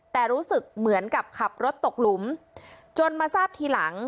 แต่รู้สึกเหมือนกับขับรถตกหลุมจนมาทราบทีหลัง